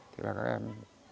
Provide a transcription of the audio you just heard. thì là các em